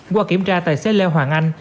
qua kiểm tra tài xế leo hoàng anh